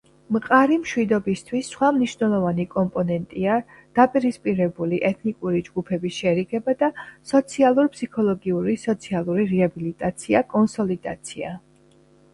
მყარი მშვიდობისთვის სხვა მნიშვნელოვანი კომპონენტია დაპირისპირებული ეთნიკური ჯგუფების შერიგება და სოციალურ-ფსიქოლოგიური სოციალური რეაბილიტაცია კონსოლიდაცია.